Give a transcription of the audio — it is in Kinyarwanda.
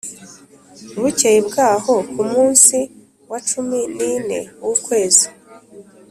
Bukeye bwaho ku munsi wa cumi n ine w ukwezi